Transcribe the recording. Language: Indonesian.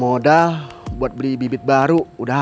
modal buat beli bibit baru udah abis